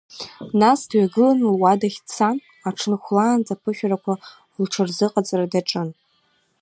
Нас дҩагылан, луадахь дцан, аҽны хәлаанӡа аԥышәарақәа лҽырзыҟаҵара даҿын.